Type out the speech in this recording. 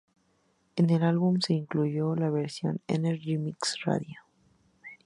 En el álbum se incluyó la versión "Energy Mix Radio".